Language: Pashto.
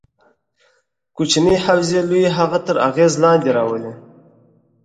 کوچنۍ حوزې لویې هغه تر اغېز لاندې رانه ولي.